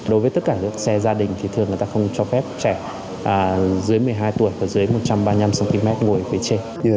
đối với tất cả những xe gia đình thì thường người ta không cho phép trẻ dưới một mươi hai tuổi và dưới một trăm ba mươi năm cm ngồi phía trên